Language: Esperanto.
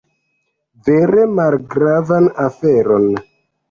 Vere malgravan aferon.